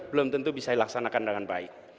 belum tentu bisa dilaksanakan dengan baik